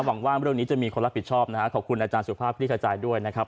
หวังว่าเรื่องนี้จะมีคนรับผิดชอบนะฮะขอบคุณอาจารย์สุภาพคลิกขจายด้วยนะครับ